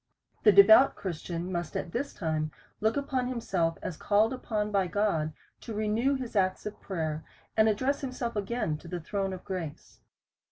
The devout Christian must at this time look upon himself as called upon by God to renew his acts of DEVOUT AND HOLY LIFE. 205 prayer, and address himself again to the throne of grace.